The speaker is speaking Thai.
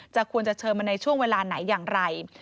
ควรจะเชิญมาในช่วงเวลาไหนอย่างไร